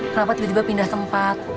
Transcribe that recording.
kenapa tiba tiba pindah tempat